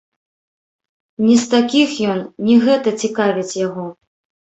Не з такіх ён, не гэта цікавіць яго.